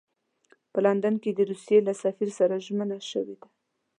په لندن کې د روسیې له سفیر سره ژمنه شوې ده.